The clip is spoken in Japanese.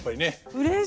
うれしい！